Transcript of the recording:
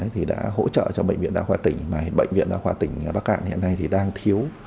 thì đã hỗ trợ cho bệnh viện đa khoa tỉnh mà bệnh viện đa khoa tỉnh bắc cạn hiện nay thì đang thiếu